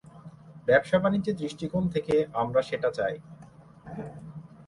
ব্যবসা বাণিজ্যের দৃষ্টিকোণ থেকেই আমরা সেটা চাই।